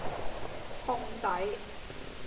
烘底